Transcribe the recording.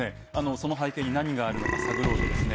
その背景に何があるのか探ろうとですね